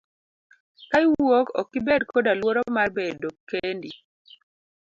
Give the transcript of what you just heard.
Ka iwuok okibed koda luoro mar bedo kendi.